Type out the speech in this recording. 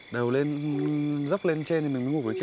đầu lên dốc lên trên thì mình ngủ được chứ